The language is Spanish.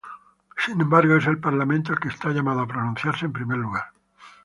Sin embargo, es el Parlamento el que está llamado a pronunciarse en primer lugar.